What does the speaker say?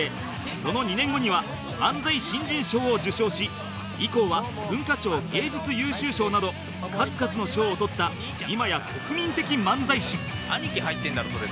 その２年後には漫才新人賞を受賞し以降は文化庁芸術優秀賞など数々の賞をとった今や国民的漫才師